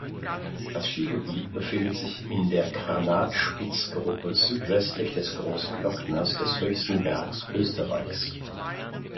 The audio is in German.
Das Skigebiet befindet sich in der Granatspitzgruppe südwestlich des Großglockners, des höchsten Bergs Österreichs.